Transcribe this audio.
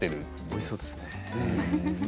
おいしそうですね。